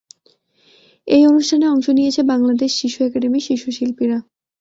এই অনুষ্ঠানে অংশ নিয়েছে বাংলাদেশ শিশু একাডেমীর শিশু শিল্পীরা।